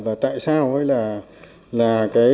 và tại sao là